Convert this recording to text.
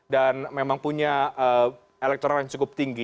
dan memang punya elektron yang cukup tinggi